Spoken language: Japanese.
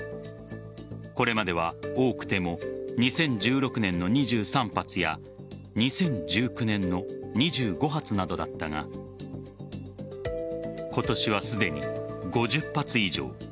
これまでは多くても２０１６年の２３発や２０１９年の２５発などだったが今年はすでに５０発以上。